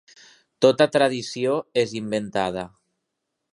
Tota tradició és inventada.